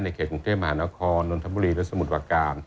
เขตกรุงเทพมหานครนนทบุรีและสมุทรประการ